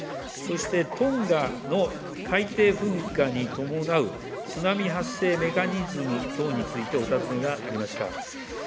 そして、トンガの海底噴火に伴う津波発生メカニズム等についてお尋ねがありました。